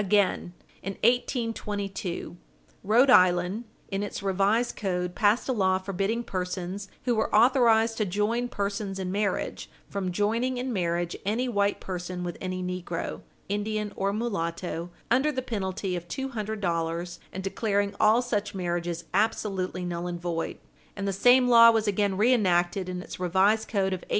Page 60 U. S. 416 Again, in 1822, Rhode Island, in its revised code, passed a law forbidding persons who were authorized to join persons in marriage from joining in marriage any white person with any negro, Indian, or mulatto, under the penalty of two hundred dollars, and declaring all such marriages absolutely null and void, and the same law was again reenacted in its revised code of 1844.